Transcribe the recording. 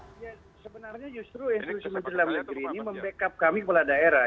ya sebenarnya justru institusi menteri dalam negeri ini membackup kami kepala daerah